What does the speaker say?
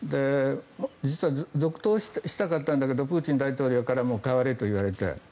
実は続投したかったんだけどプーチン大統領からもう代われと言われて。